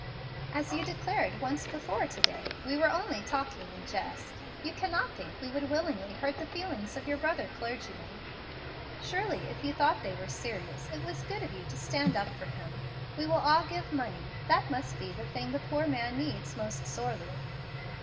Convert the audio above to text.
As you declared once before to day, we were only 'talking in jest.' You cannot think we would willingly hurt the feelings of your brother clergyman. Surely, if you thought they were serious, it was good of you to stand up for him. We will all give money: that must be the thing the poor man needs most sorely."